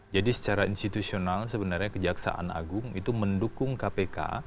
jadi secara institusional sebenarnya kejaksaan agung itu mendukung kpk